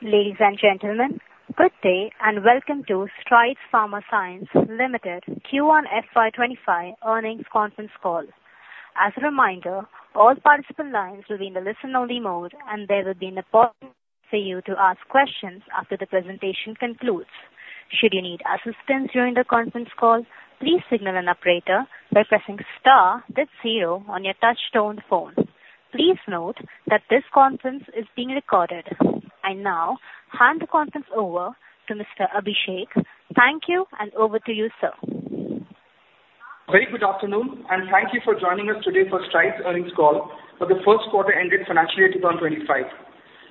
Ladies and gentlemen, good day, and welcome to Strides Pharma Science Limited Q1 FY 2025 earnings conference call. As a reminder, all participant lines will be in the listen-only mode, and there will be an option for you to ask questions after the presentation concludes. Should you need assistance during the conference call, please signal an operator by pressing star zero on your touch-tone phone. Please note that this conference is being recorded. I now hand the conference over to Mr. Abhishek. Thank you, and over to you, sir. Very good afternoon, and thank you for joining us today for Strides earnings call for the first quarter ended financial year 25.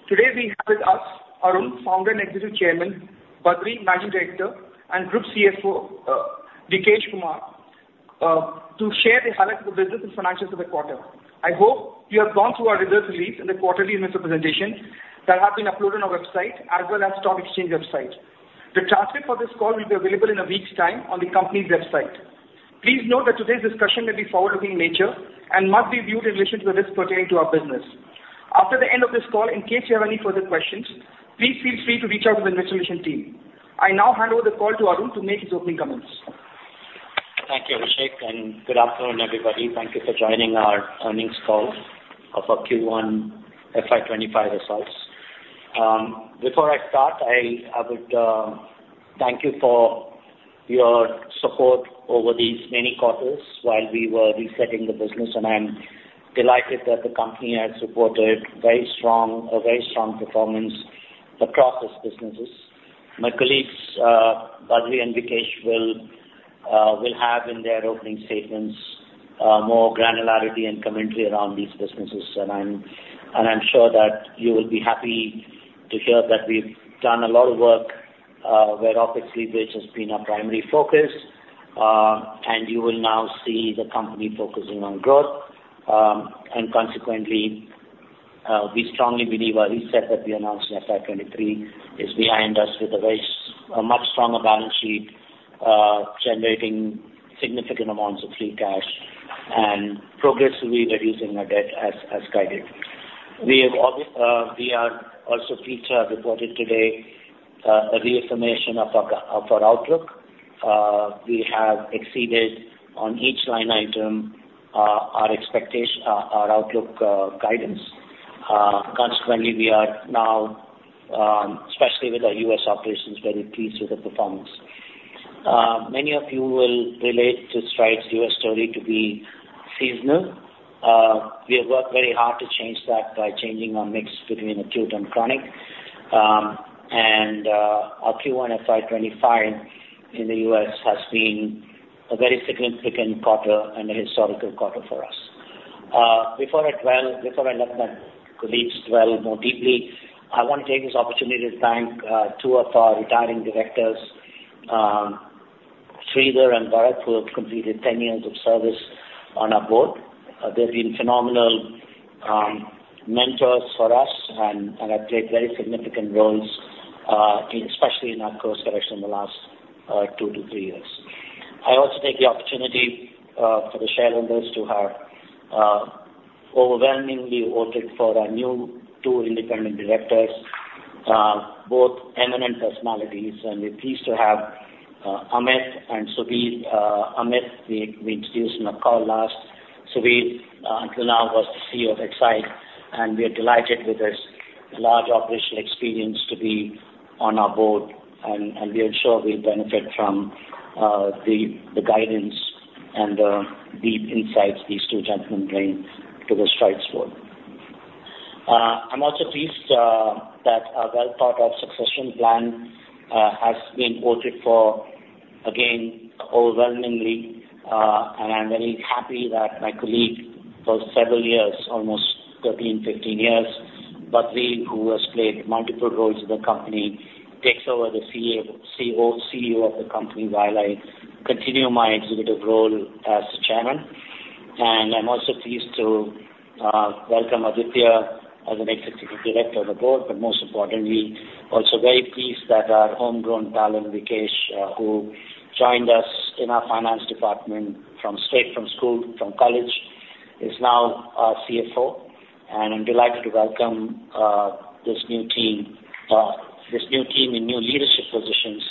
Today, we have with us Arun, founder and Executive Chairman, Badree Managing Director, and Group CFO Vikesh Kumar to share the highlights of the business and financials of the quarter. I hope you have gone through our results release and the quarterly investor presentation that have been uploaded on our website as well as stock exchange website. The transcript for this call will be available in a week's time on the company's website. Please note that today's discussion will be forward-looking in nature and must be viewed in relation to the risk pertaining to our business. After the end of this call, in case you have any further questions, please feel free to reach out to the investor relation team. I now hand over the call to Arun to make his opening comments. Thank you, Abhishek, and good afternoon, everybody. Thank you for joining our earnings call of our Q1 FY 2025 results. Before I start, I would thank you for your support over these many quarters while we were resetting the business, and I'm delighted that the company has reported a very strong performance across its businesses. My colleagues, Badree and Vikesh, will have in their opening statements more granularity and commentary around these businesses. I'm sure that you will be happy to hear that we've done a lot of work where OpEx leverage has been our primary focus, and you will now see the company focusing on growth. And consequently, we strongly believe our reset that we announced in FY 2023 is behind us with a much stronger balance sheet, generating significant amounts of free cash and progressively reducing our debt as guided. We are also pleased to have reported today a reaffirmation of our outlook. We have exceeded on each line item our expectation, our outlook, guidance. Consequently, we are now especially with our U.S. operations very pleased with the performance. Many of you will relate to Strides' U.S. story to be seasonal. We have worked very hard to change that by changing our mix between acute and chronic. And our Q1 FY 2025 in the U.S. has been a very significant quarter and a historical quarter for us. Before I let my colleagues dwell more deeply, I want to take this opportunity to thank two of our retiring directors, Sridhar and Bharat, who have completed 10 years of service on our board. They've been phenomenal mentors for us and have played very significant roles, especially in our course correction in the last two to three years. I also take the opportunity for the shareholders who have overwhelmingly voted for our new two independent directors, both eminent personalities, and we're pleased to have Amit and Subir. Amit, we introduced in a call last. Subir, until now, was the CEO of Exide, and we are delighted with his large operational experience to be on our board, and we are sure we'll benefit from the guidance and the insights these two gentlemen bring to the Strides board. I'm also pleased that a well-thought-out succession plan has been voted for, again, overwhelmingly. I'm very happy that my colleague for several years, almost 13, 15 years, Badree, who has played multiple roles in the company, takes over the CEO of the company, while I continue my executive role as the chairman. I'm also pleased to welcome Aditya as an executive director on the board, but most importantly, also very pleased that our homegrown talent, Vikesh, who joined us in our finance department from straight from school, from college, is now our CFO, and I'm delighted to welcome this new team, this new team in new leadership positions.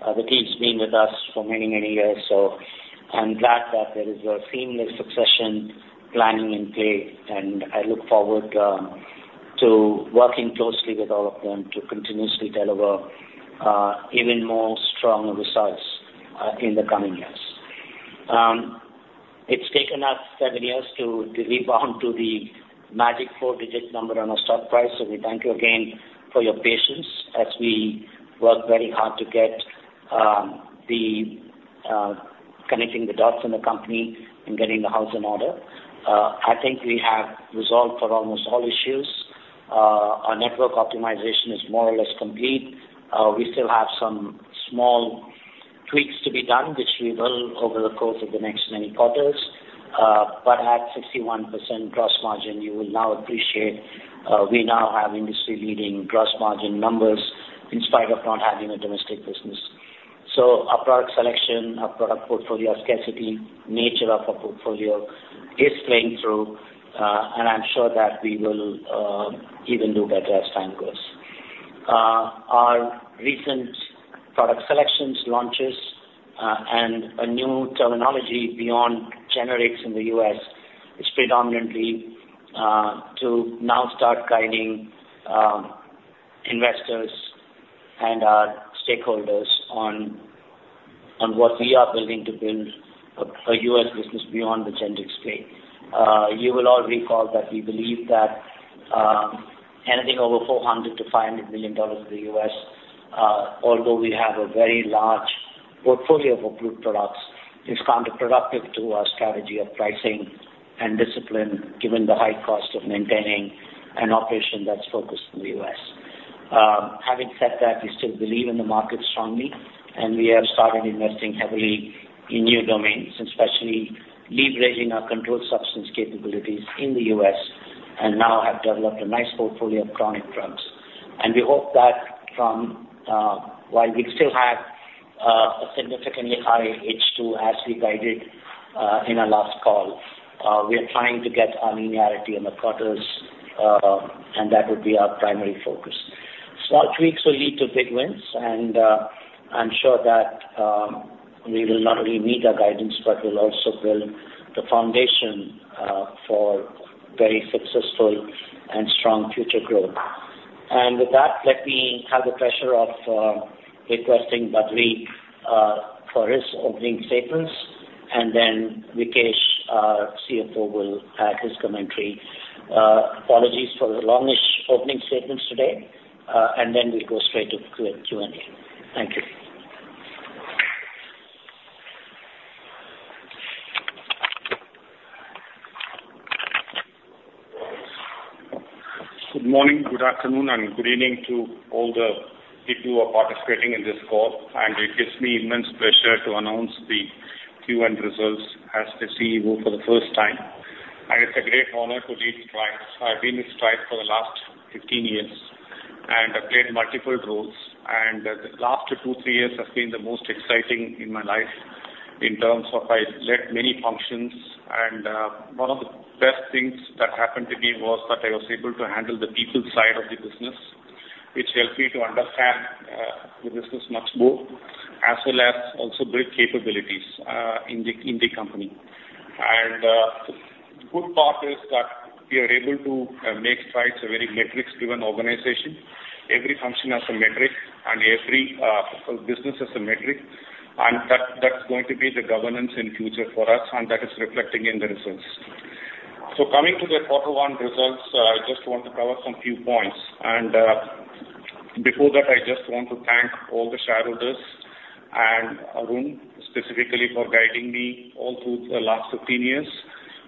The team's been with us for many, many years, so I'm glad that there is a seamless succession planning in play, and I look forward to working closely with all of them to continuously deliver even more strong results in the coming years. It's taken us seven years to rebound to the magic four-digit number on our stock price, so we thank you again for your patience as we work very hard to get the connecting the dots in the company and getting the house in order. I think we have resolved for almost all issues. Our network optimization is more or less complete. We still have some small tweaks to be done, which we will over the course of the next many quarters. But at 61% gross margin, you will now appreciate, we now have industry-leading gross margin numbers... in spite of not having a domestic business. So our product selection, our product portfolio, scarcity, nature of our portfolio is playing through, and I'm sure that we will even do better as time goes. Our recent product selections, launches, and a new terminology beyond generics in the U.S,, is predominantly, to now start guiding, investors and our stakeholders on, on what we are building to build a, a U.S. business beyond the generics play. You will all recall that we believe that, anything over $400 million-$500 million in the U.S., although we have a very large portfolio of approved products, is counterproductive to our strategy of pricing and discipline, given the high cost of maintaining an operation that's focused in the U.S.. Having said that, we still believe in the market strongly, and we have started investing heavily in new domains, especially leveraging our controlled substance capabilities in the U.S., and now have developed a nice portfolio of chronic drugs. And we hope that from, while we still have a significantly higher H2, as we guided in our last call, we are trying to get our linearity in the quarters, and that would be our primary focus. Small tweaks will lead to big wins, and I'm sure that we will not only meet our guidance, but will also build the foundation for very successful and strong future growth. And with that, let me have the pleasure of requesting Badree for his opening statements, and then Vikesh, our CFO, will add his commentary. Apologies for the longish opening statements today, and then we'll go straight to Q&A. Thank you. Good morning, good afternoon, and good evening to all the people who are participating in this call. It gives me immense pleasure to announce the Q1 results as the CEO for the first time, and it's a great honor to lead Strides. I've been with Strides for the last 15 years, and I've played multiple roles. The last two, three years has been the most exciting in my life in terms of I led many functions, and one of the best things that happened to me was that I was able to handle the people side of the business, which helped me to understand the business much more, as well as also build capabilities in the company. The good part is that we are able to make Strides a very metrics-driven organization. Every function has a metric, and every business has a metric, and that, that's going to be the governance in future for us, and that is reflecting in the results. So coming to the quarter one results, I just want to cover some few points. And before that, I just want to thank all the shareholders and Arun specifically for guiding me all through the last 15 years.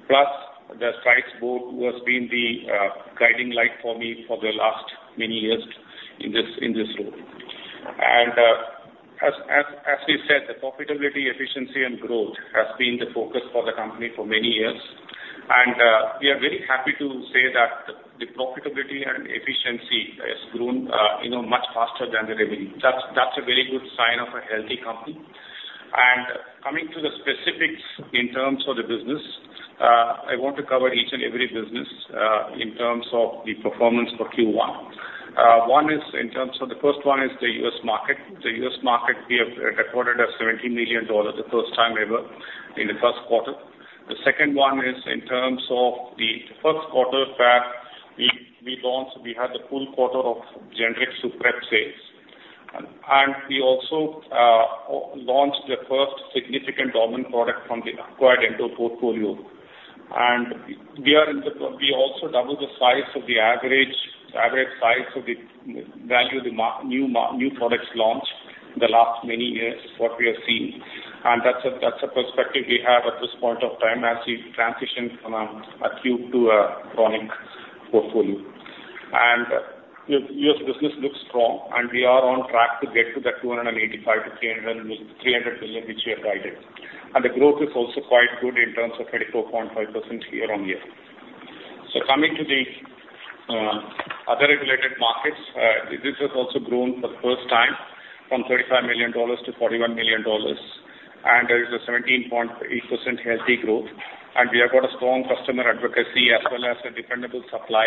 Plus, the Strides board, who has been the guiding light for me for the last many years in this role. And as we said, the profitability, efficiency, and growth has been the focus for the company for many years. And we are very happy to say that the profitability and efficiency has grown, you know, much faster than the revenue. That's a very good sign of a healthy company. Coming to the specifics in terms of the business, I want to cover each and every business in terms of the performance for Q1. The first one is the U.S. market. The U.S. market, we have recorded $17 million, the first time ever in the first quarter. The second one is in terms of the first quarter that we launched, we had the full quarter of generic Suprep sales. And we also launched the first significant dormant product from the acquired Endo portfolio. And we also doubled the size of the average size of the value of the new products launched in the last many years is what we have seen. That's a perspective we have at this point of time as we transition from acute to a chronic portfolio. The U.S. business looks strong, and we are on track to get to that $285 million-$300 million, which we have guided. The growth is also quite good in terms of 34.5% year-on-year. So coming to the other regulated markets, this has also grown for the first time from $35 million to $41 million, and there is a 17.8% healthy growth. We have got a strong customer advocacy as well as a dependable supply,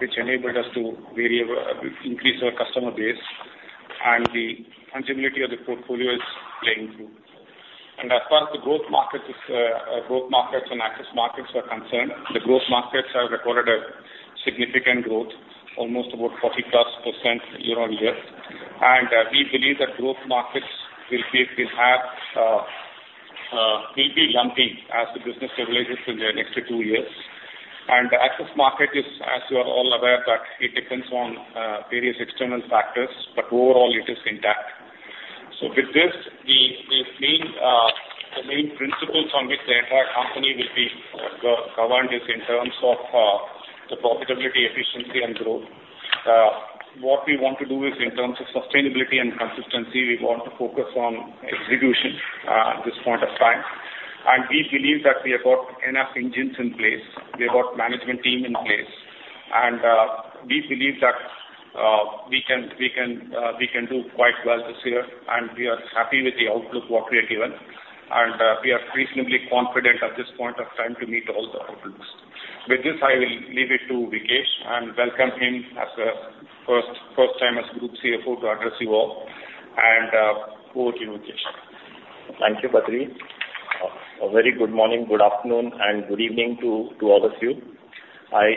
which enabled us to be able increase our customer base, and the continuity of the portfolio is playing through. As far as the growth markets is, growth markets and access markets are concerned, the growth markets have recorded a significant growth, almost about 40+% year-on-year. We believe that growth markets will be, will be lumpy as the business stabilizes in the next two years. The access market is, as you are all aware, that it depends on, various external factors, but overall it is intact. So with this, the main principles on which the entire company will be governed is in terms of, the profitability, efficiency, and growth. What we want to do is in terms of sustainability and consistency, we want to focus on execution, at this point of time.... and we believe that we have got enough engines in place, we have got management team in place, and we believe that we can, we can, we can do quite well this year, and we are happy with the outlook what we have given. And we are reasonably confident at this point of time to meet all the outputs. With this, I will leave it to Vikesh, and welcome him as a first, first time as Group CFO to address you all. And over to you, Vikesh. Thank you, Badree. A very good morning, good afternoon, and good evening to all of you. I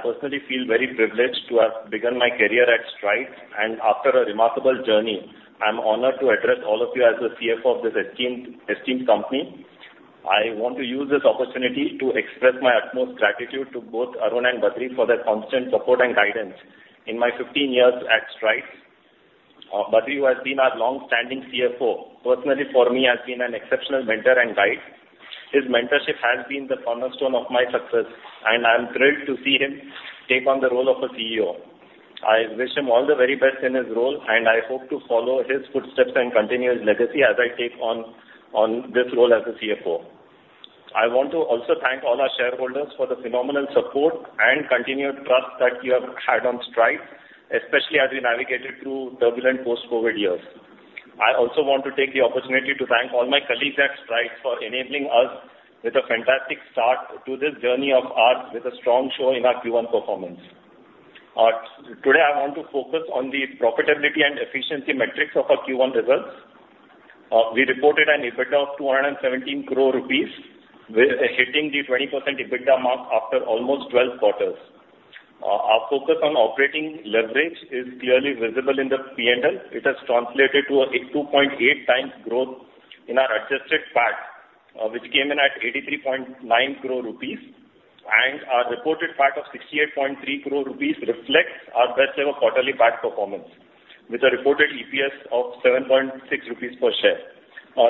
personally feel very privileged to have begun my career at Strides, and after a remarkable journey, I'm honored to address all of you as the CFO of this esteemed, esteemed company. I want to use this opportunity to express my utmost gratitude to both Arun and Badree for their constant support and guidance in my 15 years at Strides. Badree, who has been our long-standing CFO, personally for me, has been an exceptional mentor and guide. His mentorship has been the cornerstone of my success, and I am thrilled to see him take on the role of a CEO. I wish him all the very best in his role, and I hope to follow his footsteps and continue his legacy as I take on this role as the CFO. I want to also thank all our shareholders for the phenomenal support and continued trust that you have had on Strides, especially as we navigated through turbulent post-COVID years. I also want to take the opportunity to thank all my colleagues at Strides for enabling us with a fantastic start to this journey of ours with a strong show in our Q1 performance. Today, I want to focus on the profitability and efficiency metrics of our Q1 results. We reported an EBITDA of 217 crore rupees, with hitting the 20% EBITDA mark after almost 12 quarters. Our focus on operating leverage is clearly visible in the P&L. It has translated to a 2.8 times growth in our adjusted PAT, which came in at 83.9 crore rupees. And our reported PAT of 68.3 crore rupees reflects our best ever quarterly PAT performance, with a reported EPS of 7.6 rupees per share.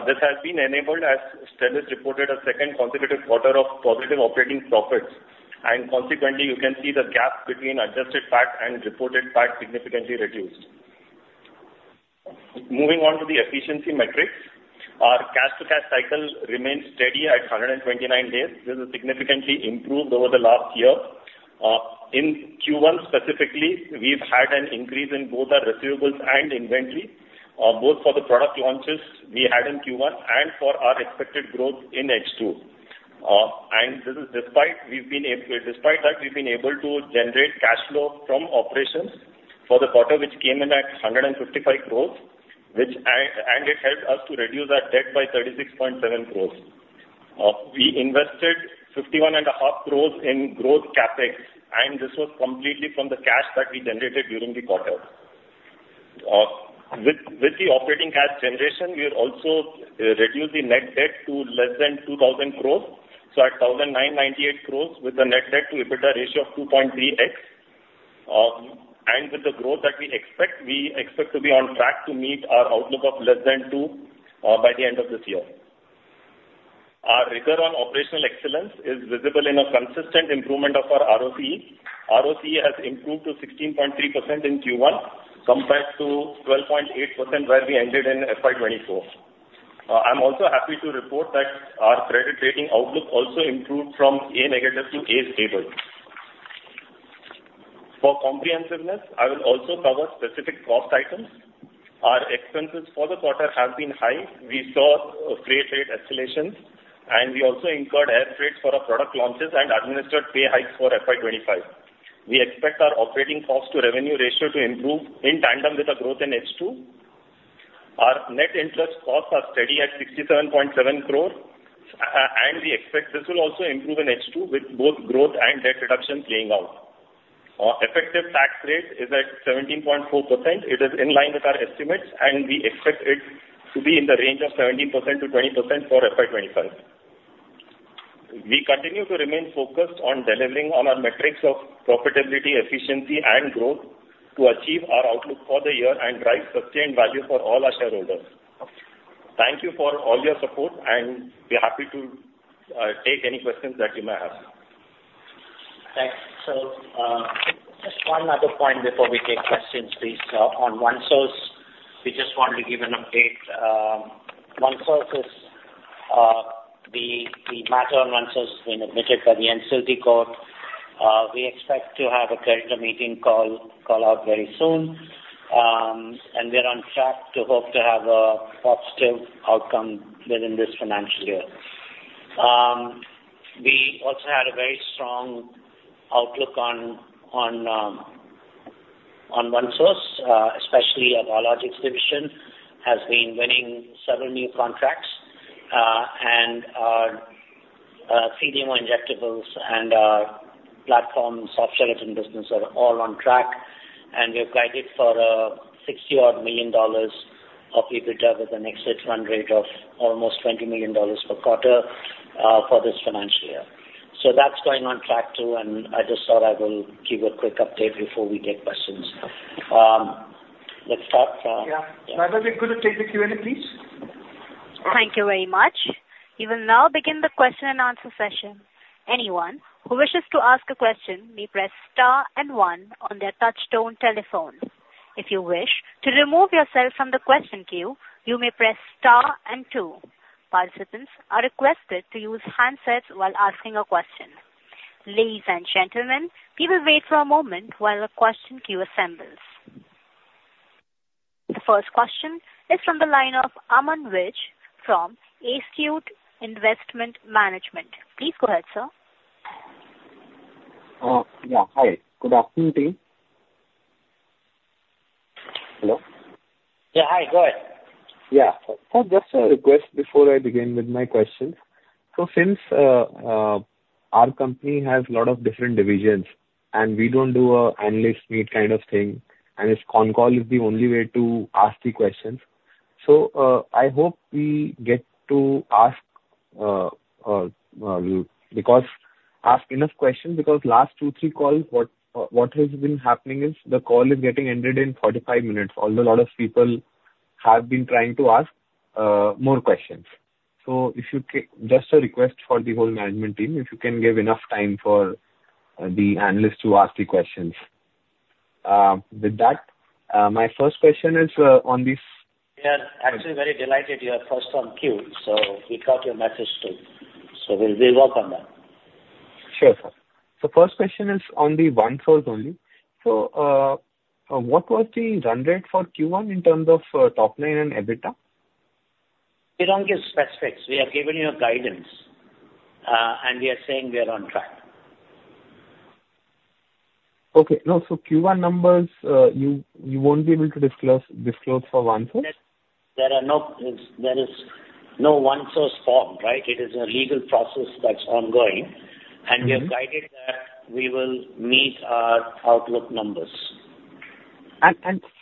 This has been enabled as Stelis reported a second consecutive quarter of positive operating profits, and consequently, you can see the gap between adjusted PAT and reported PAT significantly reduced. Moving on to the efficiency metrics. Our cash-to-cash cycle remains steady at 129 days. This has significantly improved over the last year. In Q1 specifically, we've had an increase in both our receivables and inventory, both for the product launches we had in Q1 and for our expected growth in H2. And this is despite we've been able... Despite that, we've been able to generate cash flow from operations for the quarter, which came in at 155 crore, and it helped us to reduce our debt by 36.7 crore. We invested 51.5 crore in growth CapEx, and this was completely from the cash that we generated during the quarter. With the operating cash generation, we have also reduced the net debt to less than 2,000 crore. So at 1,998 crore with a net debt-to-EBITDA ratio of 2.3x. And with the growth that we expect, we expect to be on track to meet our outlook of less than two by the end of this year. Our rigor on operational excellence is visible in a consistent improvement of our ROCE. ROCE has improved to 16.3% in Q1, compared to 12.8% where we ended in FY 2024. I'm also happy to report that our credit rating outlook also improved from A negative to A stable. For comprehensiveness, I will also cover specific cost items. Our expenses for the quarter have been high. We saw freight rate escalations, and we also incurred ad rates for our product launches and administered pay hikes for FY 2025. We expect our operating cost-to-revenue ratio to improve in tandem with the growth in H2. Our net interest costs are steady at 67.7 crore, and we expect this will also improve in H2 with both growth and debt reduction playing out. Our effective tax rate is at 17.4%. It is in line with our estimates, and we expect it to be in the range of 17%-20% for FY 2025. We continue to remain focused on delivering on our metrics of profitability, efficiency, and growth to achieve our outlook for the year and drive sustained value for all our shareholders. Thank you for all your support, and we're happy to take any questions that you may have. Thanks. Just one other point before we take questions, please. On OneSource, we just want to give an update. OneSource is, the matter on OneSource has been admitted by the NCLT court. We expect to have a creditors' meeting called out very soon. And we're on track to hope to have a positive outcome within this financial year. We also had a very strong outlook on OneSource, especially our biologics division has been winning several new contracts. And our CDMO injectables and our platform soft gelatin business are all on track, and we have guided for $60-odd million of EBITDA with an exit run rate of almost $20 million per quarter for this financial year. That's going on track, too, and I just thought I will give a quick update before we take questions. Let's start. Yeah. We're going to take the Q&A, please. Thank you very much. We will now begin the question and answer session. Anyone who wishes to ask a question, may press star and one on their touchtone telephone. If you wish to remove yourself from the question queue, you may press star and two. Participants are requested to use handsets while asking a question. Ladies and gentlemen, we will wait for a moment while the question queue assembles. The first question is from the line of Aman Vij from Astute Investment Management. Please go ahead, sir. Yeah, hi. Good afternoon to you. Hello? Yeah. Hi, go ahead. Yeah. So just a request before I begin with my question. So since our company has a lot of different divisions, and we don't do an analyst meet kind of thing, and this con call is the only way to ask the questions. So I hope we get to ask enough questions, because last two, three calls, what has been happening is the call is getting ended in 45 minutes, although a lot of people have been trying to ask more questions. So just a request for the whole management team, if you can give enough time for the analysts to ask the questions. With that, my first question is on this- We are actually very delighted you are first on queue, so we got your message too. So we'll, we'll work on that. Sure, sir. First question is on the OneSource only. What was the run rate for Q1 in terms of top line and EBITDA? We don't give specifics. We have given you a guidance, and we are saying we are on track. Okay. No, so Q1 numbers, you won't be able to disclose for OneSource? There is no OneSource form, right? It is a legal process that's ongoing. Mm-hmm. We have guided that we will meet our outlook numbers.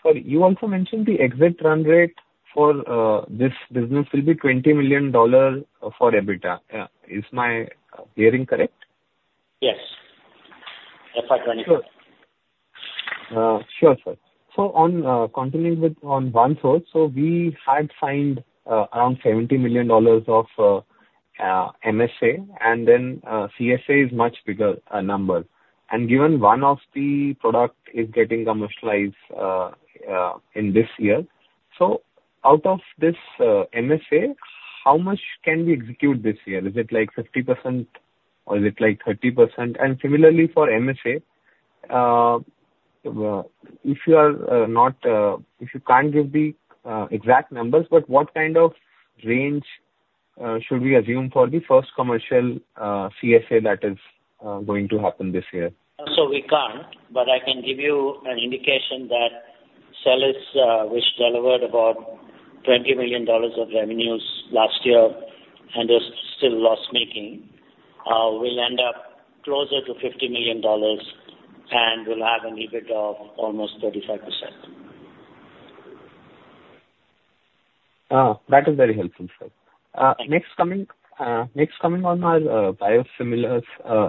Sorry, you also mentioned the exit run rate for this business will be $20 million for EBITDA. Is my hearing correct? Yes. FY 2024. Sure. Sure, sir. So on, continuing with, on OneSource, so we had signed, around $70 million of, MSA, and then, CSA is much bigger, number. And given one of the product is getting commercialized, in this year, so out of this, MSA, how much can we execute this year? Is it like 50% or is it like 30%? And similarly for MSA, if you are, not... If you can't give the, exact numbers, but what kind of range, should we assume for the first commercial, CSA that is, going to happen this year? We can't, but I can give you an indication that Stelis, which delivered about $20 million of revenues last year and is still loss-making, will end up closer to $50 million, and will have an EBIT of almost 35%. Ah! That is very helpful, sir. Next coming on our biosimilars,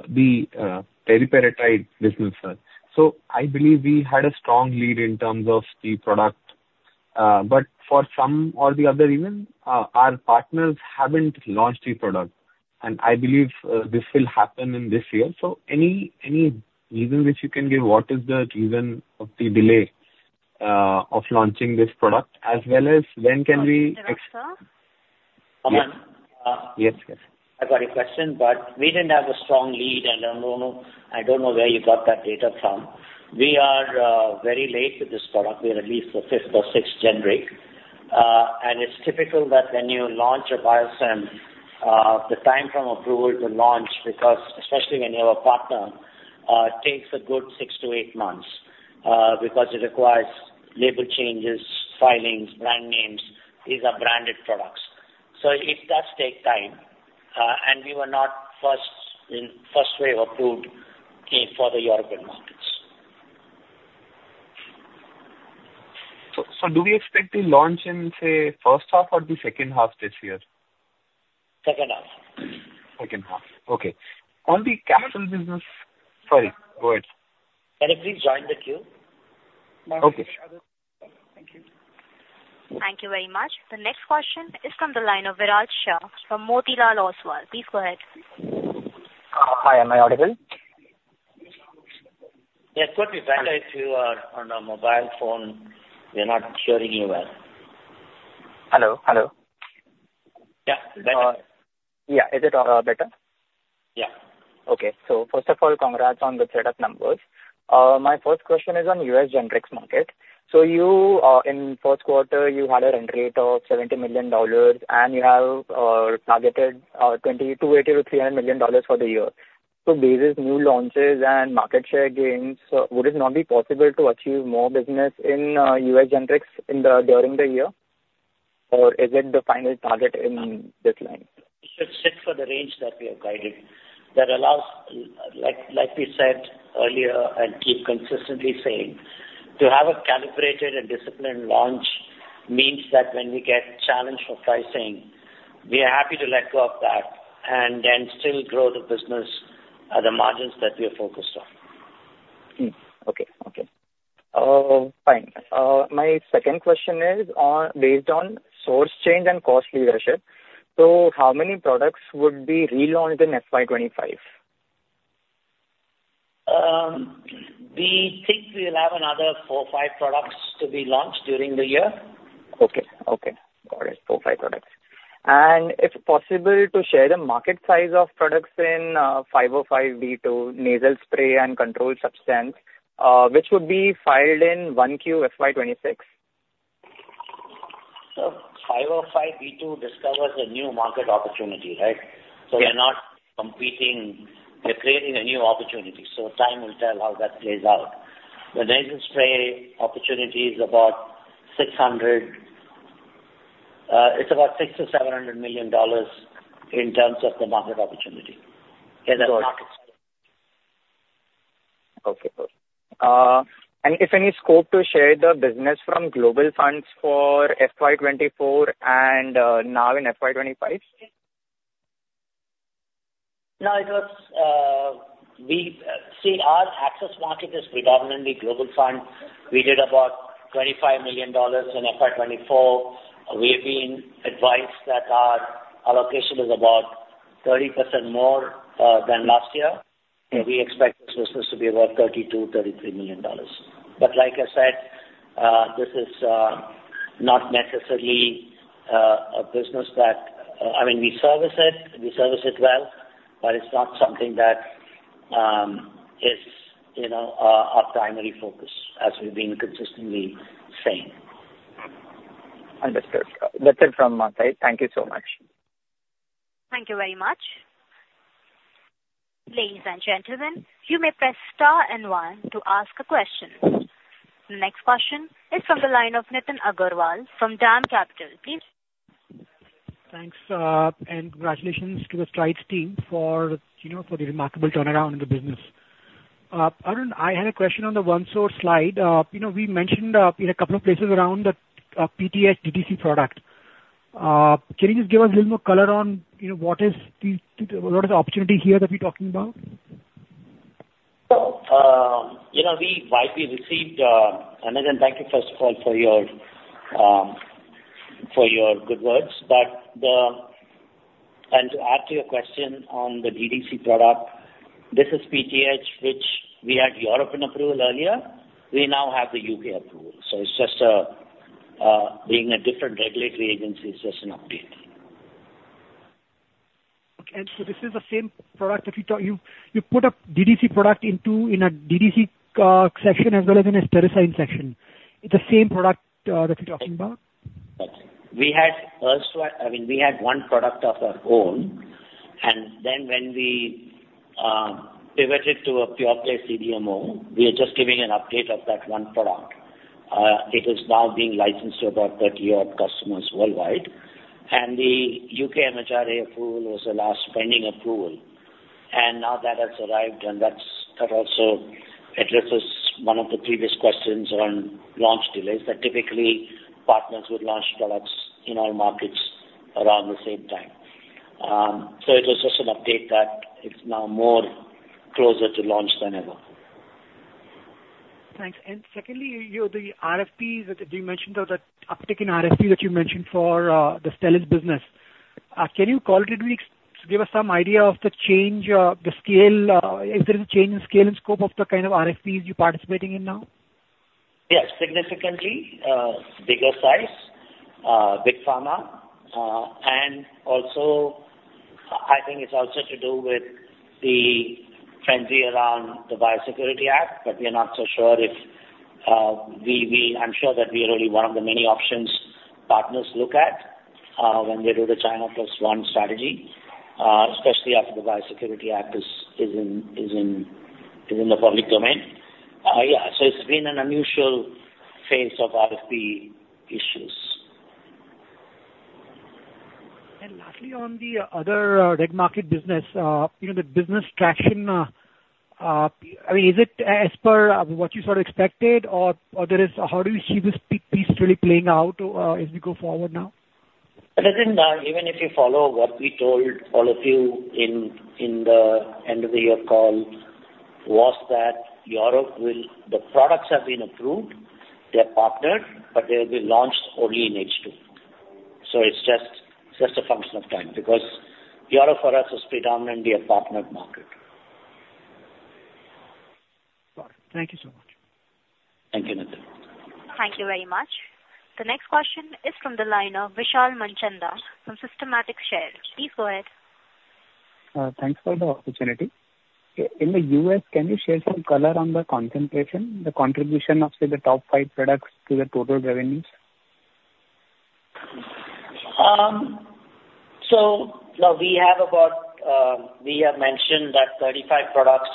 the teriparatide business, sir. So I believe we had a strong lead in terms of the product, but for some or the other reason, our partners haven't launched the product, and I believe, this will happen in this year. So any reason which you can give, what is the reason of the delay, of launching this product, as well as when can we ex- Sir? Aman? Yes. Yes, yes. I got a question, but we didn't have a strong lead, and I don't know, I don't know where you got that data from. We are very late with this product. We are at least the 5th or 6th generic. It's typical that when you launch a biosim, the time from approval to launch, because especially when you have a partner, takes a good six-eight months, because it requires label changes, filings, brand names. These are branded products. So it does take time, and we were not first in the first wave approved in for the European markets. So, do we expect the launch in, say, the first half or the second half this year? Second half. Second half, okay. On the capsule business... Sorry, go ahead. Can you please join the queue? Okay. Sure. Thank you. Thank you very much. The next question is from the line of Viral Shah from Motilal Oswal. Please go ahead. Hi. Am I audible? Yes, completely. Viral, if you are on a mobile phone, we're not hearing you well. Hello, hello. Yeah, better. Yeah. Is it better? Yeah. Okay. So first of all, congrats on the set of numbers. My first question is on U.S. generics market. So you, in first quarter, you had a run rate of $70 million, and you have targeted $280 million-$300 million for the year. So based new launches and market share gains, would it not be possible to achieve more business in U.S. generics in the during the year? Or is it the final target in this line? You should stick for the range that we have guided. That allows, like, like we said earlier and keep consistently saying, to have a calibrated and disciplined launch means that when we get challenged for pricing, we are happy to let go of that and then still grow the business at the margins that we are focused on.... Mm-hmm. Okay, okay. Fine. My second question is on, based on source change and cost leadership, so how many products would be relaunched in FY 25? We think we'll have another four-five products to be launched during the year. Okay, okay. Got it, four, five products. And if possible, to share the market size of products in 505(b)(2), nasal spray and controlled substance, which would be filed in 1Q FY 2026. 505(b)(2) discovers a new market opportunity, right? Yeah. So we're not competing, we're creating a new opportunity, so time will tell how that plays out. The nasal spray opportunity is about $600 million, it's about $600 million-$700 million in terms of the market opportunity. Got it. In that market. Okay, cool. And if any scope to share the business from Global Fund for FY 2024 and now in FY 2025? No, it was. See, our access market is predominantly Global Fund. We did about $25 million in FY 2024. We've been advised that our allocation is about 30% more than last year. Okay. We expect this business to be about $32 million-$33 million. But like I said, this is not necessarily a business that... I mean, we service it, we service it well, but it's not something that is, you know, our primary focus as we've been consistently saying. Understood. That's it from my side. Thank you so much. Thank you very much. Ladies and gentlemen, you may press star and one to ask a question. The next question is from the line of Nitin Agarwal from DAM Capital, please. Thanks, and congratulations to the Strides team for, you know, for the remarkable turnaround in the business. Arun, I had a question on the OneSource slide. You know, we mentioned, in a couple of places around the, PTH DDC product. Can you just give us a little more color on, you know, what is the, what is the opportunity here that we're talking about? You know, we, while we received, and again, thank you, first of all, for your, for your good words. But the... And to add to your question on the DDC product, this is PTH, which we had European approval earlier. We now have the U.K. approval, so it's just, being a different regulatory agency. It's just an update. Okay. And so this is the same product that you put a DDC product into, in a DDC section, as well as in a steriles section. It's the same product that you're talking about? We had also, I mean, we had one product of our own, and then when we pivoted to a pure play CDMO, we are just giving an update of that one product. It is now being licensed to about 30 odd customers worldwide, and the U.K. MHRA approval was the last pending approval. And now that has arrived, and that's, that also addresses one of the previous questions around launch delays, that typically partners would launch products in all markets around the same time. So it was just an update that it's now more closer to launch than ever. Thanks. Secondly, you know, the RFPs that you mentioned, or the uptick in RFP that you mentioned for the Steriles business, can you qualitatively give us some idea of the change, the scale, if there is a change in scale and scope of the kind of RFPs you're participating in now? Yes, significantly bigger size, big pharma, and also, I think it's also to do with the frenzy around the Biosecurity Act, but we are not so sure if I'm sure that we are only one of the many options partners look at when they do the China Plus One strategy, especially after the Biosecurity Act is in the public domain. Yeah, so it's been an unusual phase of RFP issues. Lastly, on the other reg market business, you know, the business traction, I mean, is it as per what you sort of expected or there is, how do you see this peak piece really playing out, as we go forward now? I think, even if you follow what we told all of you in the end of the year call, was that Europe will. The products have been approved, they're partnered, but they'll be launched only in H2. So it's just a function of time, because Europe for us is predominantly a partnered market. Got it. Thank you so much. Thank you, Nitin. Thank you very much. The next question is from the line of Vishal Manchanda from Systematix Shares. Please go ahead. Thanks for the opportunity. In the U.S., can you share some color on the concentration, the contribution of, say, the top five products to the total revenues? So, now we have about, we have mentioned that 35 products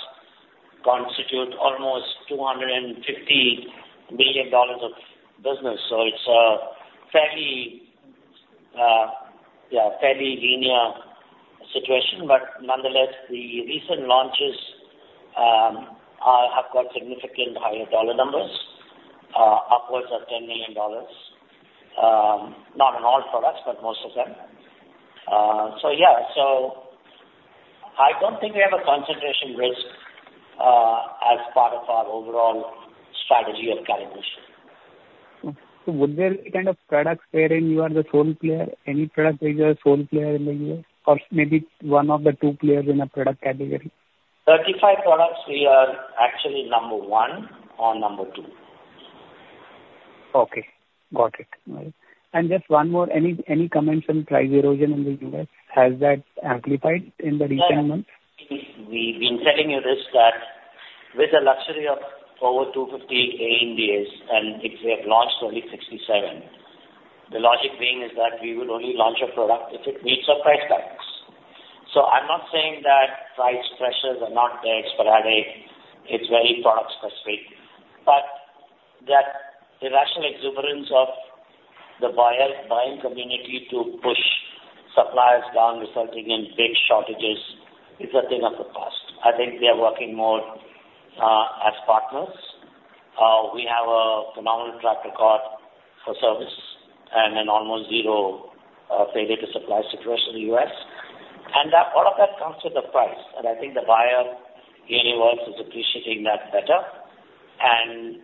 constitute almost $250 million of business, so it's a fairly, fairly linear situation. But nonetheless, the recent launches have got significantly higher dollar numbers, upwards of $10 million. Not on all products, but most of them. So yeah, so I don't think we have a concentration risk, as part of our overall strategy or calibration. Would there be kind of products wherein you are the sole player, any product where you are sole player in the U.S., or maybe one of the two players in a product category? 35 products we are actually number one or number two. Okay, got it. All right. And just one more. Any, any comments on price erosion in the U.S.? Has that amplified in the recent months? We've been telling you this, that with the luxury of over 250 ANDAs, and if we have launched only 67, the logic being is that we would only launch a product if it meets our price tags. So I'm not saying that price pressures are not there, sporadic, it's very product specific, but that irrational exuberance of the buyer, buying community to push suppliers down, resulting in big shortages, is a thing of the past. I think we are working more as partners. We have a phenomenal track record for service and an almost zero failure to supply situation in the U.S. And that, all of that comes with a price, and I think the buyer universe is appreciating that better and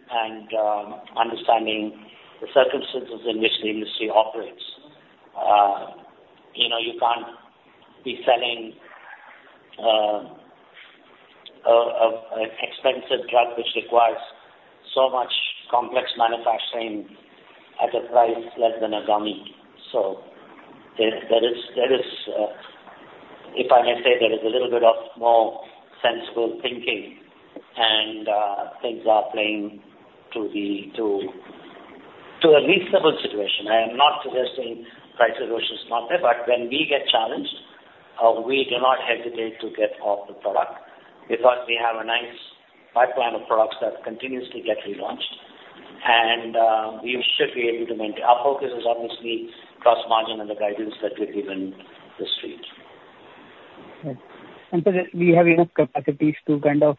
understanding the circumstances in which the industry operates. You know, you can't be selling an expensive drug which requires so much complex manufacturing at a price less than a gummy. So there is, if I may say, a little bit more sensible thinking, and things are playing to a reasonable situation. I am not suggesting price erosion is not there, but when we get challenged, we do not hesitate to get off the product because we have a nice pipeline of products that continuously get relaunched, and we should be able to maintain. Our focus is obviously gross margin and the guidance that we've given the street. Right. And so do you have enough capacities to kind of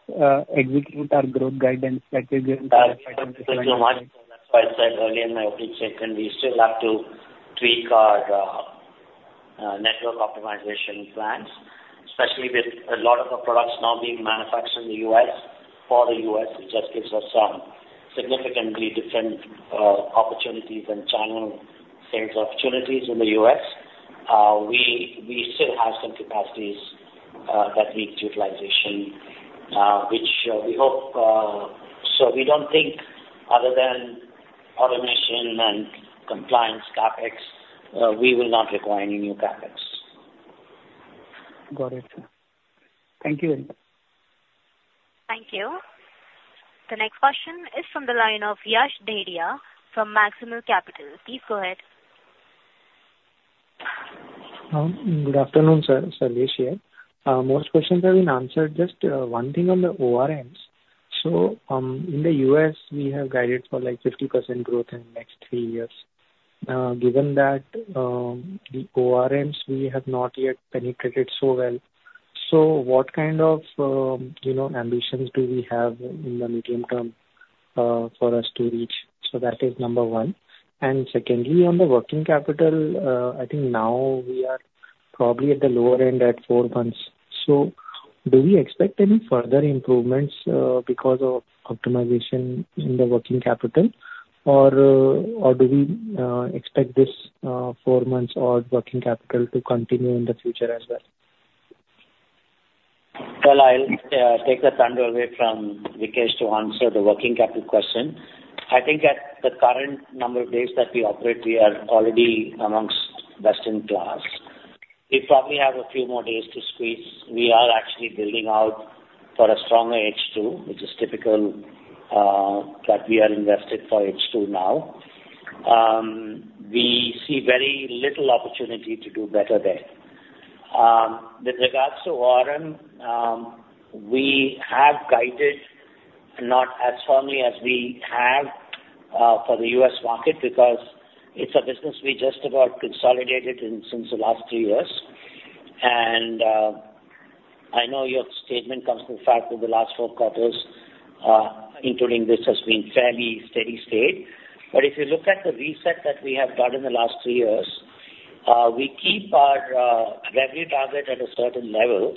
execute our growth guidance that we've given? Thank you so much. That's why I said earlier in my opening statement, we still have to tweak our network optimization plans, especially with a lot of the products now being manufactured in the U.S. For the U.S., it just gives us significantly different opportunities and channel sales opportunities in the U.S. We still have some capacities that need utilization, which we hope... So we don't think other than automation and compliance CapEx, we will not require any new CapEx. Got it. Thank you very much. Thank you. The next question is from the line of Yash Dedhia from Maximal Capital. Please go ahead. Good afternoon, sir. Yash here. Most questions have been answered. Just one thing on the ORMs. So, in the U.S., we have guided for, like, 50% growth in the next three years. Given that, the ORMs, we have not yet penetrated so well, so what kind of, you know, ambitions do we have in the medium term for us to reach? So that is number one. And secondly, on the working capital, I think now we are probably at the lower end at four months. So do we expect any further improvements because of optimization in the working capital, or do we expect this four months odd working capital to continue in the future as well? Well, I'll take the thunder away from Vikesh to answer the working capital question. I think at the current number of days that we operate, we are already amongst best in class. We probably have a few more days to squeeze. We are actually building out for a stronger H2, which is typical that we are invested for H2 now. We see very little opportunity to do better there. With regards to ORM, we have guided not as firmly as we have for the U.S. market because it's a business we just about consolidated in since the last two years. And, I know your statement comes from the fact that the last four quarters, including this, has been fairly steady state. But if you look at the reset that we have done in the last two years, we keep our revenue target at a certain level,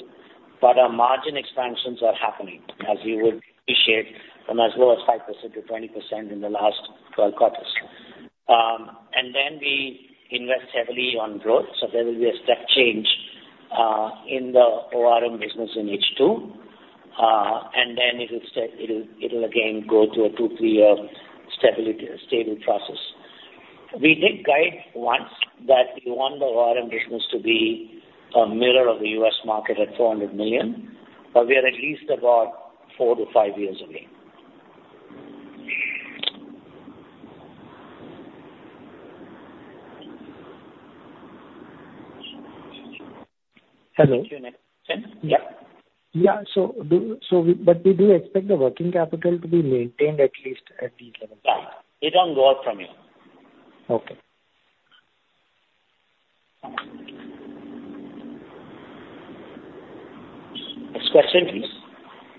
but our margin expansions are happening, as you would appreciate, from as low as 5% to 20% in the last 12 quarters. And then we invest heavily on growth, so there will be a step change in the ORM business in H2, and then it will stay, it'll, it'll again go through a two-three-year stability, stable process. We did guide once that we want the ORM business to be a mirror of the U.S. market at $400 million, but we are at least about four-five years away. Hello? Yeah. Yeah. So, but we do expect the working capital to be maintained at least at this level? Yeah. It won't go up from here. Okay.... Next question, please.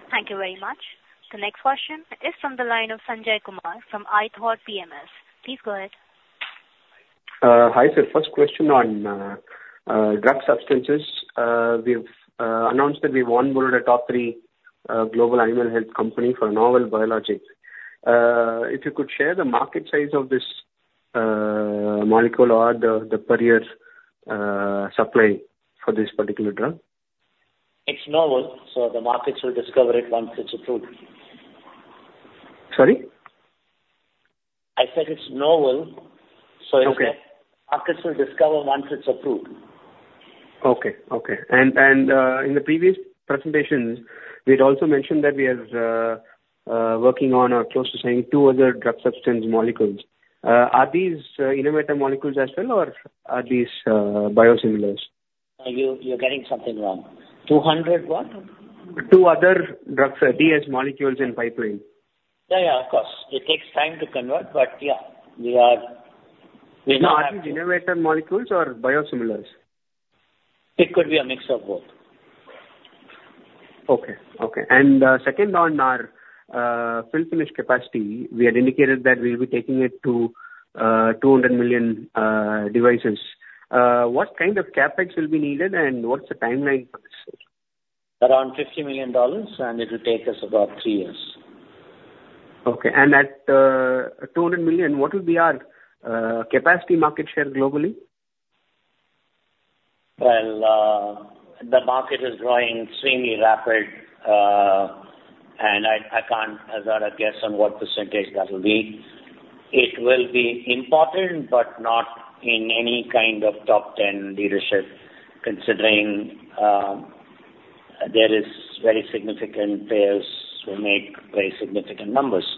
Thank you very much. The next question is from the line of Sanjay Kumar from ithoughtpms. Please go ahead. Hi, sir. First question on drug substances. We've announced that we've onboarded a top three global animal health company for novel biologics. If you could share the market size of this molecule or the per year supply for this particular drug. It's novel, so the markets will discover it once it's approved. Sorry? I said it's novel, so- Okay. Markets will discover once it's approved. Okay. Okay. And, and, in the previous presentations, we had also mentioned that we are working on or close to signing two other drug substance molecules. Are these innovator molecules as well, or are these biosimilars? You, you're getting something wrong. 200 what? Two other drugs, DS molecules in pipeline. Yeah, yeah, of course. It takes time to convert, but yeah, we are- Are these innovator molecules or biosimilars? It could be a mix of both. Okay. Okay. And second, on our fill-finish capacity, we had indicated that we'll be taking it to 200 million devices. What kind of CapEx will be needed, and what's the timeline for this, sir? Around $50 million, and it will take us about three years. Okay. And at 200 million, what will be our capacity market share globally? Well, the market is growing extremely rapid, and I can't hazard a guess on what percentage that will be. It will be important, but not in any kind of top ten leadership, considering there is very significant players who make very significant numbers.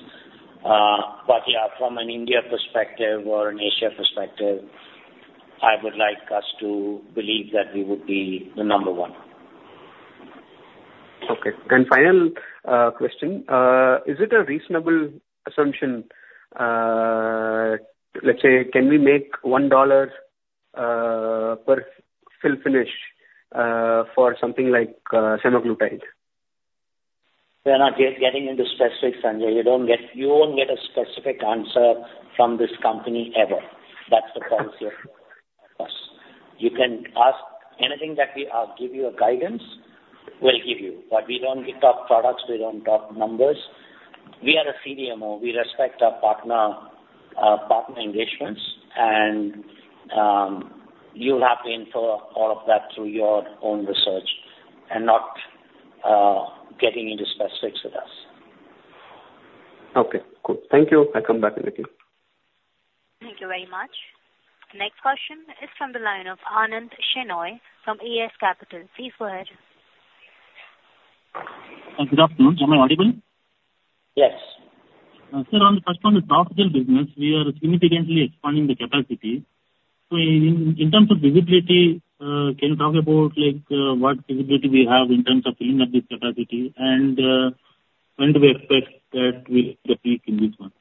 But yeah, from an India perspective or an Asia perspective, I would like us to believe that we would be the number one. Okay. Final question: is it a reasonable assumption? Let's say, can we make $1 per fill-finish for something like semaglutide? We're not getting into specifics, Sanjay. You won't get a specific answer from this company ever. That's the policy of us. You can ask anything that we give you a guidance, we'll give you, but we don't talk products, we don't talk numbers. We are a CDMO. We respect our partner engagements, and you'll have to infer all of that through your own research and not getting into specifics with us. Okay, cool. Thank you. I'll come back again. Thank you very much. The next question is from the line of Anand Shenoy from ES Capital. Please go ahead. Good afternoon. Am I audible? Yes. Sir, first on the business, we are significantly expanding the capacity. So in terms of visibility, can you talk about, like, what visibility we have in terms of utilizing this capacity and when do we expect that we'll peak in this one?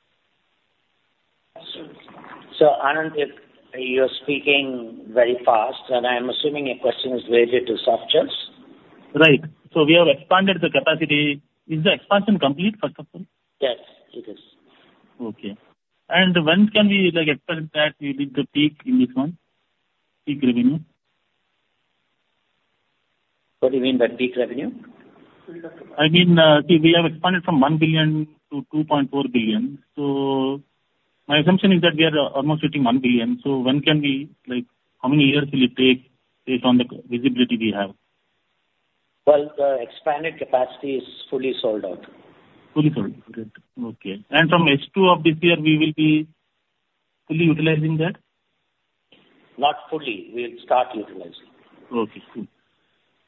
Anand, you're speaking very fast, and I'm assuming your question is related to soft gels. Right. So we have expanded the capacity. Is the expansion complete, first of all? Yes, it is. Okay. When can we, like, expect that we reach the peak in this one, peak revenue? What do you mean by peak revenue? I mean, we have expanded from 1 billion-2.4 billion. So my assumption is that we are almost hitting 1 billion. So when can we, like, how many years will it take based on the capacity visibility we have? Well, the expanded capacity is fully sold out. Fully sold, great. Okay. And from H2 of this year, we will be fully utilizing that? Not fully. We'll start utilizing. Okay, cool.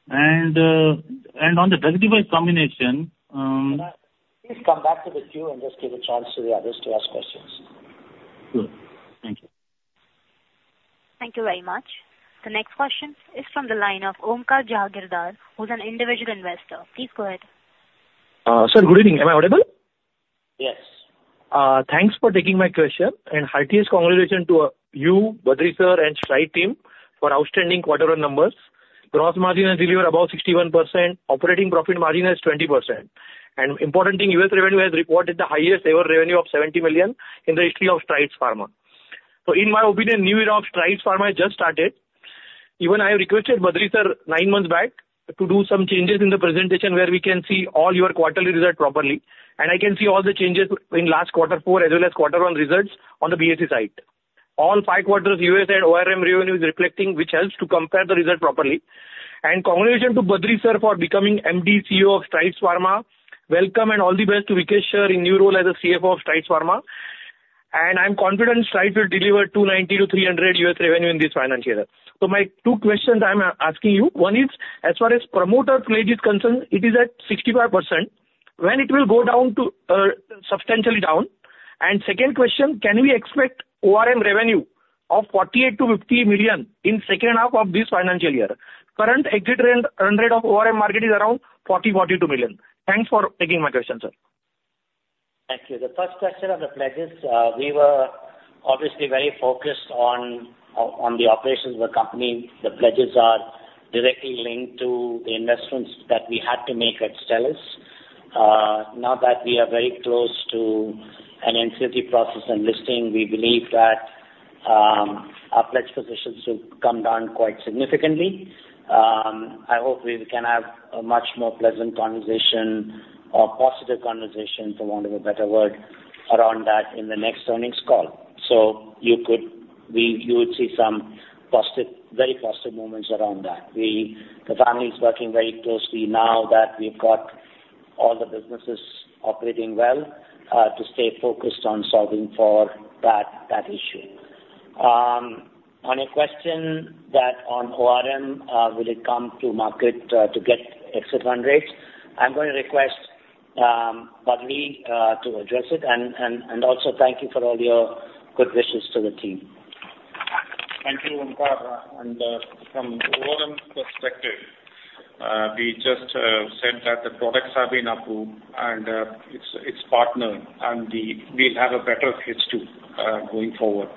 And on the drug device combination- Can I... please come back to the queue and just give a chance to the others to ask questions? Sure. Thank you. Thank you very much. The next question is from the line of Omkar Jagirdar, who's an individual investor. Please go ahead. Sir, good evening. Am I audible? Yes. Thanks for taking my question, and heartiest congratulations to you, Badree sir, and Strides team for outstanding quarter on numbers. Gross margin has delivered above 61%, operating profit margin is 20%. And important thing, U.S. revenue has recorded the highest ever revenue of $70 million in the history of Strides Pharma. So in my opinion, new era of Strides Pharma just started. Even I requested Badree sir nine months back to do some changes in the presentation where we can see all your quarterly results properly, and I can see all the changes in last quarter four as well as quarter one results on the BSE site. All five quarters, U.S. and ORM revenue is reflecting, which helps to compare the results properly. And congratulations to Badree sir for becoming MD CEO of Strides Pharma. Welcome and all the best to Vikesh Sir in new role as the CFO of Strides Pharma. I'm confident Strides will deliver $290-$300 U.S. revenue in this financial year. My two questions I'm asking you, one is, as far as promoter pledge is concerned, it is at 65%. When it will go down to, substantially down? And second question, can we expect ORM revenue of $48 million-$50 million in second half of this financial year? Current exit trend run rate of ORM market is around $40 million-$42 million. Thanks for taking my question, sir. ...Thank you. The first question on the pledges, we were obviously very focused on the operations of the company. The pledges are directly linked to the investments that we had to make at Stelis. Now that we are very close to an NCLT process and listing, we believe that our pledge positions will come down quite significantly. I hope we can have a much more pleasant conversation or positive conversation, for want of a better word, around that in the next earnings call. So you could - we - you would see some positive, very positive movements around that. The family is working very closely now that we've got all the businesses operating well, to stay focused on solving for that issue. On the question on ORM, will it come to market to get exit fund rates? I'm going to request Badree to address it and also thank you for all your good wishes to the team. Thank you, Kumar. From ORM perspective, we just said that the products have been approved and it's partnered, and we'll have a better H2 going forward.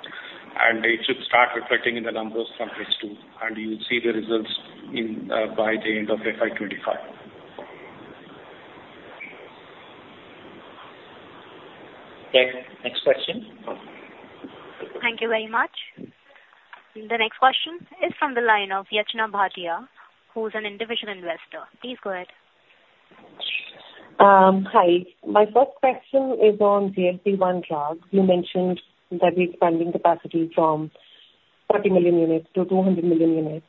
It should start reflecting in the numbers from H2, and you will see the results by the end of FY 2025. Okay, next question. Thank you very much. The next question is from the line of Yachna Bhatia, who is an individual investor. Please go ahead. Hi. My first question is on GLP-1 drug. You mentioned that we're expanding capacity from 30 million units to 200 million units.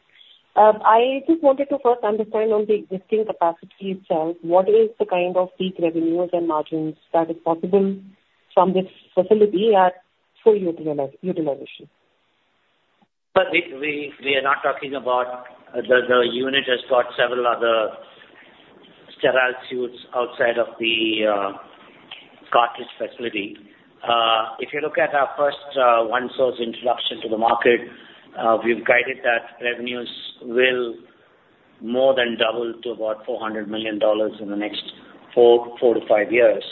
I just wanted to first understand on the existing capacity itself, what is the kind of peak revenues and margins that is possible from this facility at full utilization? But we are not talking about the unit has got several other sterile suites outside of the cartridge facility. If you look at our first OneSource introduction to the market, we've guided that revenues will more than double to about $400 million in the next four-five years.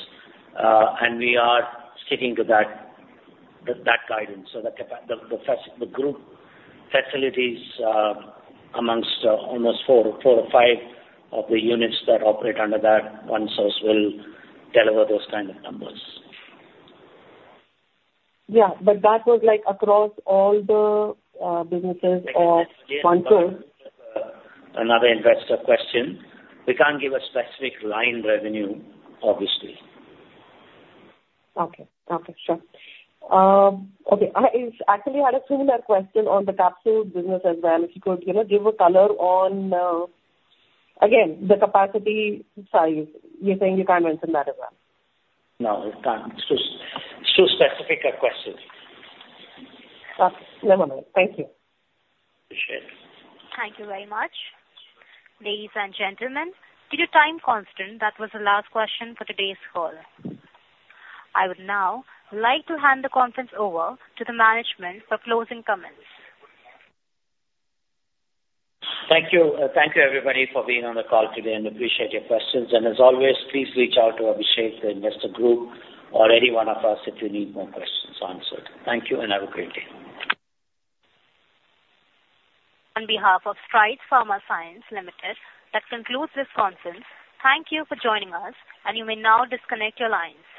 And we are sticking to that guidance. So the capacity, the facilities, the group facilities amongst almost four or five of the units that operate under that OneSource will deliver those kind of numbers. Yeah, but that was, like, across all the businesses or OneSource? Another investor question. We can't give a specific line revenue, obviously. Okay. Okay, sure. Okay, I actually had a similar question on the capsule business as well. If you could, you know, give a color on, again, the capacity size. You're saying you can't mention that as well? No, we can't. It's too specific a question. Never mind. Thank you. Appreciate it. Thank you very much. Ladies and gentlemen, due to time constraint, that was the last question for today's call. I would now like to hand the conference over to the management for closing comments. Thank you. Thank you, everybody, for being on the call today, and appreciate your questions. As always, please reach out to Abhishek, the investor group, or any one of us if you need more questions answered. Thank you, and have a great day. On behalf of Strides Pharma Science Limited, that concludes this conference. Thank you for joining us, and you may now disconnect your lines.